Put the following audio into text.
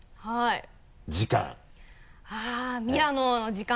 時間。